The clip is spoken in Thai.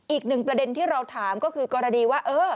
อีกหนึ่งประเด็นที่เราถามก็คือกรณีว่า